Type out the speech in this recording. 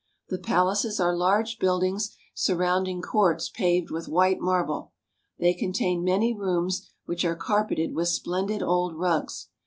The palaces are large buildings surrounding courts paved with white marble. They contain many rooms which are carpeted with splendid old rugs.